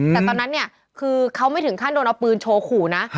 แต่ตอนนั้นเนี่ยคือเขาไม่ถึงขั้นโดนเอาปืนโชว์ขู่นะ